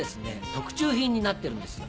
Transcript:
特注品になってるんですよ。